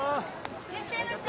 いらっしゃいませ！